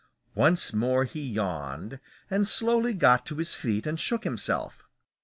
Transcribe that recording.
Once more he yawned, and slowly got to his feet and shook himself.